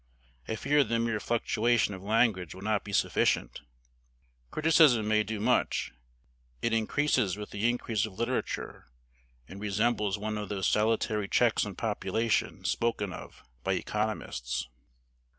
I fear the mere fluctuation of language will not be sufficient. Criticism may do much; it increases with the increase of literature, and resembles one of those salutary checks on population spoken of by economists.